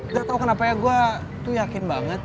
gak tau kenapa ya gue yakin banget